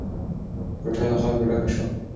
کوټه له خلکو ډکه شوه.